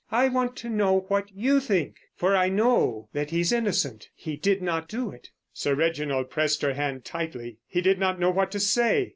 I want to know what you think. For I know that he's innocent. He did not do it." Sir Reginald pressed her hand tightly. He did not know what to say.